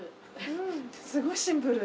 すごいシンプル。